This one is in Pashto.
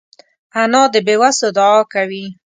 انا د بېوسو دعا کوي